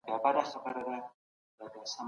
په ټولنه کي د شخصیتونو په اړه ناسم قضاوت وسو.